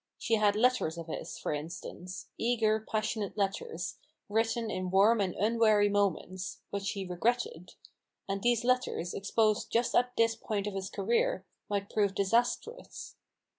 She had letters of his, for instance— eager, passionate letters, written in warm and unwary moments — which he regretted ; and these letters, exposed just at this point of his career, might prove disastrous.